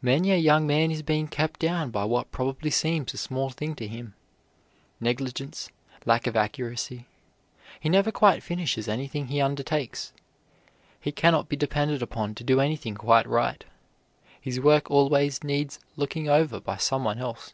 Many a young man is being kept down by what probably seems a small thing to him negligence, lack of accuracy. He never quite finishes anything he undertakes; he can not be depended upon to do anything quite right; his work always needs looking over by some one else.